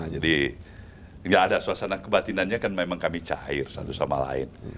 jadi tidak ada suasana kebatinannya kan memang kami cair satu sama lain